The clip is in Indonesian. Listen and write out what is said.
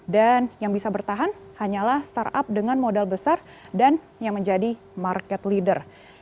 dan yang bisa bertahan hanyalah startup dengan modal besar dan yang menjadi market leader